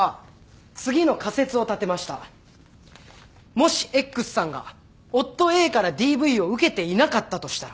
もしＸさんが夫ＡからＤＶを受けていなかったとしたら？